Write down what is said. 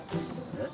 えっ？